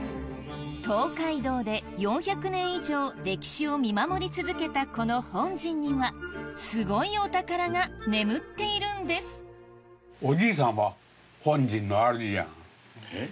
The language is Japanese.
東海道で４００年以上歴史を見守り続けたこの本陣にはすごいお宝が眠っているんですえっ？